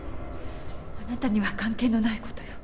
あなたには関係のない事よ。